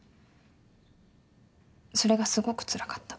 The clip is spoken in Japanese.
それがすごくつらかった。